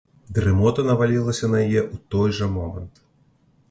Дрымота навалілася на яе ў той жа момант.